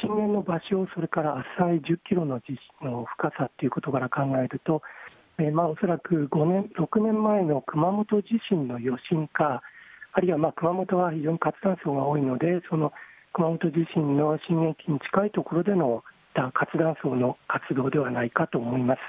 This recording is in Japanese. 震源の場所、それから浅い１０キロの深さということが考えると恐らく６年前の熊本地震の余震か、あるいは熊本は非常に活断層が多いので、その熊本地震の震源近いところでの活断層の活動ではないかと思います。